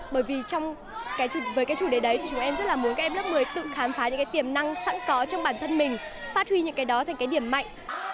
bởi vì với cái chủ đề đấy thì chúng em rất là muốn các em lớp một mươi tự khám phá những cái tiềm năng sẵn có trong bản thân mình phát huy những cái đó thành cái điểm mạnh